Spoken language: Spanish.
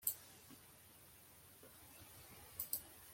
Fue durante este tiempo que Stephens hizo su visita.